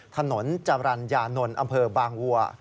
ถนนจรรยานนท์อำเภอบางวัว